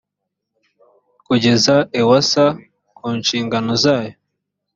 kugeza ewsa ku nshingano zayo